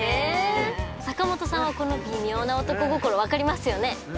坂本さんはこの微妙な男心分かりますよね？